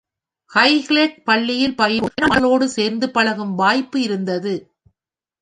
Highclere பள்ளியில் பயிலும்போது பல நாட்டு மாணவர்களோடு சேர்ந்து பழகும் வாய்ப்பு இருந்தது.